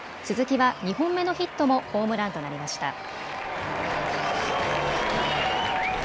鈴木は２本目のヒットもホームランとなりました。